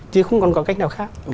chứ không còn có cách nào khác